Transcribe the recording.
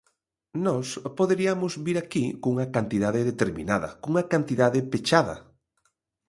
Nós poderiamos vir aquí cunha cantidade determinada, cunha cantidade pechada.